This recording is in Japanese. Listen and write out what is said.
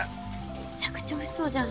むちゃくちゃおいしそうじゃん。